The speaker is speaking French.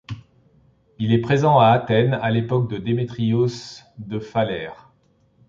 Il est présent à Athènes à l'époque de Démétrios de Phalère.